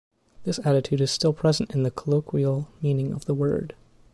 This attitude is still present in the colloquial meaning of the word.